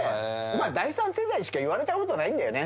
第３世代しか言われたことないんだよね。